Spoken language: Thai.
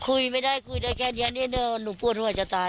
คุยไม่ได้คุยได้แค่นี้นี่เดี๋ยวหนูพูดหนูอาจจะตาย